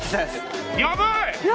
やばい！